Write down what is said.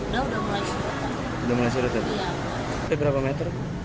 sudah mulai surut